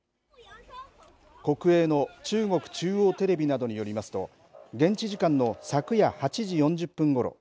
国営の中国中央テレビなどによりますと現地時間の昨夜８時４０分ごろ